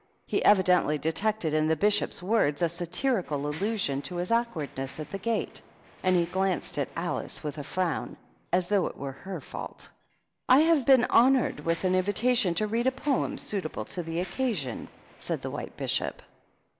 He evidently detected in the Bishop's words a satirical allusion to his awkwardness at the gate, and he glanced at Alice with a frown, as though it were her fault. "I have been honored with an invitation to read a poem suitable to the Occasion," said the White Bishop.